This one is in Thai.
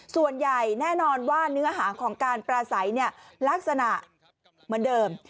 ส่วนใหญ่แน่นอนว่าเนื้อหาของการปราศัยลักษณะเหมือนเดิม